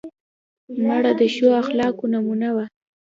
مړه د ښو اخلاقو نمونه وه